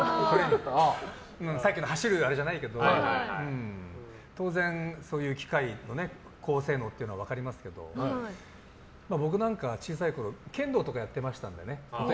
さっきの走るあれじゃないけど当然そういう機械が高性能というのは分かりますけど僕なんか小さいころ剣道とかやってましたのでね。